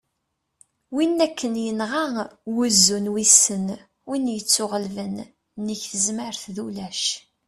win akken yenɣa "wuzzu n wissen", win ittuɣellben : nnig tezmert d ulac